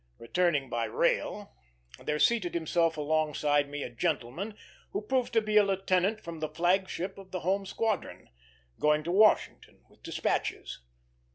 Returning by rail, there seated himself alongside me a gentleman who proved to be a lieutenant from the flag ship of the Home Squadron, going to Washington with despatches.